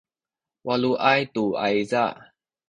waluay tu ayza